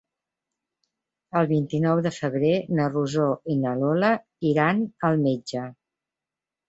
El vint-i-nou de febrer na Rosó i na Lola iran al metge.